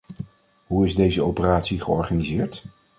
Hoe is deze operatie georganiseerd?